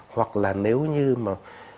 hoặc là nếu như mà